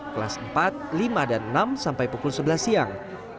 kelas empat lima dan enam sampai pukul sebelas siang